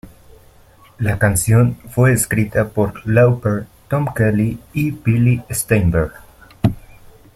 La canción fue escrita por Lauper, Tom Kelly y Billy Steinberg.